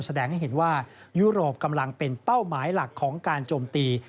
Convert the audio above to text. แสดงให้เห็นว่ายุโรปกำลังเป็นเป้าหมายหลักของการโจมตี